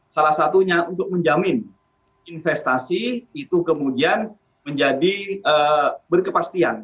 salah satunya untuk menjamin investasi itu kemudian menjadi berkepastian